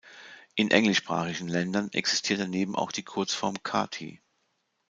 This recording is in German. In englischsprachigen Ländern existiert daneben auch die Kurzform Kathie.